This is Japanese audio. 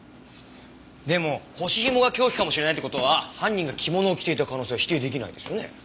でも腰紐が凶器かもしれないって事は犯人が着物を着ていた可能性は否定出来ないですよね？